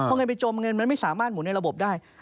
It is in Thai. พอเงินไปจมเงินมันไม่สามารถหมุนในระบบได้